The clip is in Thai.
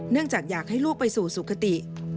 จากอยากให้ลูกไปสู่สุขติ